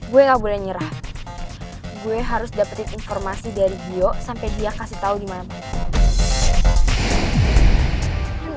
gue gak boleh nyerah gue harus dapetin informasi dari gio sampai dia kasih tau gimana